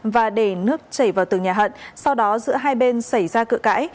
và để nước chảy vào tường nhà hận sau đó giữa hai bên xảy ra cự cãi